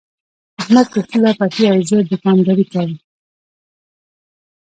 احمد پوله پټی او زه دوکانداري کوم.